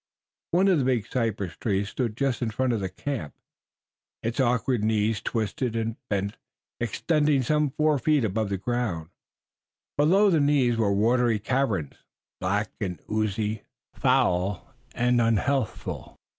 One of the big cypress trees stood just in front of the camp, its awkward knees twisted and bent, extending some four feet above the ground. Below the knees were watery caverns, black and oozy, foul and unhealthful.